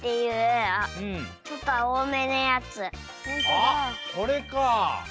あっこれか！